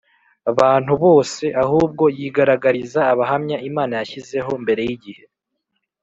bantu bose ahubwo yigaragariza abahamya Imana yashyizeho mbere y igihe